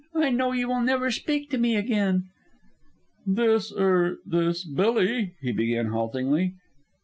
I know you will never speak to me again." "This er this Billy," he began haltingly.